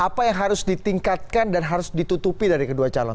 apa yang harus ditingkatkan dan harus ditutupi dari kedua calon